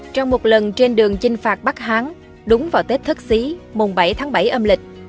trong một lần trên đường chinh phạt bắc hán đúng vào tết thất xí mùng bảy tháng bảy âm lịch